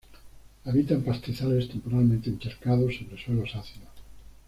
Habita en pastizales temporalmente encharcados sobre suelos ácidos.